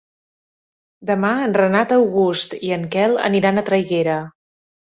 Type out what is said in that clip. Demà en Renat August i en Quel aniran a Traiguera.